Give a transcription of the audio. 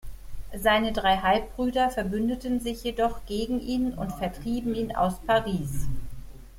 Seine drei Halbbrüder verbündeten sich jedoch gegen ihn und vertrieben ihn aus Paris.